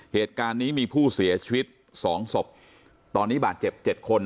เหตุการณ์นี้มีผู้เสียชีวิตสองศพตอนนี้บาดเจ็บเจ็ดคน